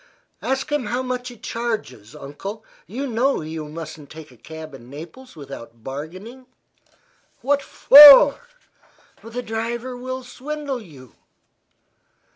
"Ask him how much he charges, Uncle. You know you mustn't take a cab in Naples without bargaining." "Why not?" "The driver will swindle you."